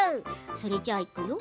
それじゃあ、いくよ！